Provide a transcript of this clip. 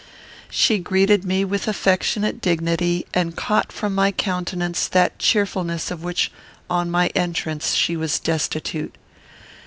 She greeted me with affectionate dignity, and caught from my countenance that cheerfulness of which on my entrance she was destitute.